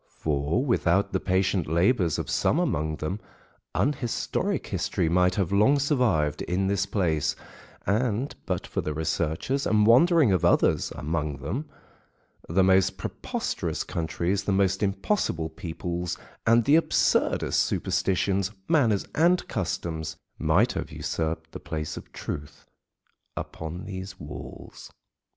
For without the patient labours of some among them unhistoric history might have long survived in this place, and but for the researches and wandering of others among them, the most preposterous countries, the most impossible peoples, and the absurdest superstitions, manners, and customs, might have usurped the place of truth upon these walls.